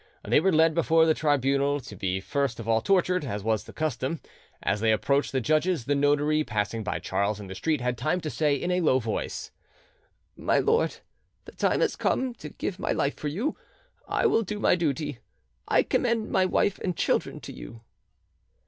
They were led before the tribunal to be first of all tortured, as the custom was. As they approached the judges, the notary passing by Charles in the street had time to say in a low voice— "My lord, the time has come to give my life for you: I will do my duty; I commend my wife and children to you."